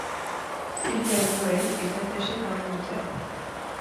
Sylviane Noël est attachée parlementaire.